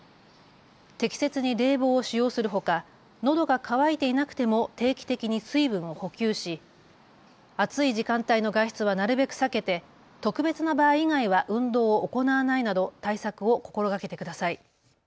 適切に冷房を使用するほかのどが乾いていなくても定期的に水分を補給し暑い時間帯の外出はなるべく避けて特別な場合以外は運動を行わないなど対策を心がけてください。